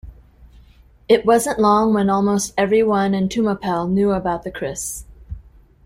It wasn't long when almost everyone in Tumapel knew about the kris.